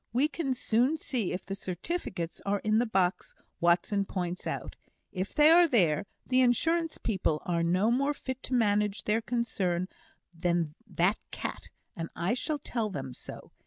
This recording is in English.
"We can soon see if the certificates are in the box Watson points out; if they are there, the Insurance people are no more fit to manage their concern than that cat, and I shall tell them so.